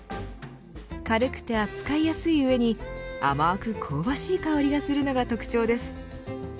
軽くて扱いやすい上に甘く香ばしい香りがするのが特徴です。